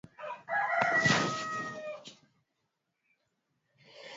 maneno na ahadi zake katika mikutano kadhaa ambayo imefanyika